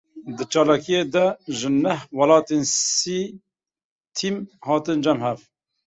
Di çalakiyê de ji neh welatan sî tîm hatin cem hev.